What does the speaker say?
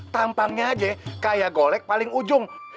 tampangnya aja kayak golek paling ujung